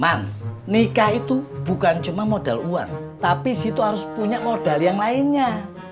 man nikah itu bukan cuma modal uang tapi situ harus punya modal yang lainnya